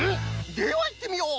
ではいってみよう！